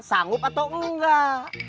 sanggup atau enggak